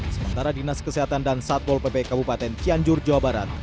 sementara dinas kesehatan dan satpol pp kabupaten cianjur jawa barat